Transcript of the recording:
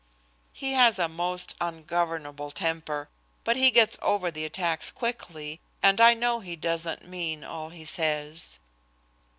"He has a most ungovernable temper, but he gets over the attacks quickly, and I know he doesn't mean all he says."